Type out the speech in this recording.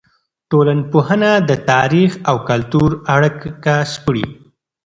ټولنپوهنه د تاریخ او کلتور اړیکه سپړي.